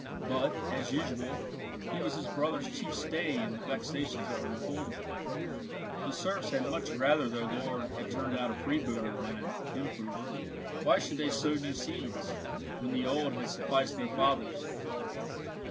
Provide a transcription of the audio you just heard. But, as usual, he was his brother's chief stay in the vexations of a reformer. The serfs had much rather their lord had turned out a freebooter than an improver. Why should they sow new seeds, when the old had sufficed their fathers?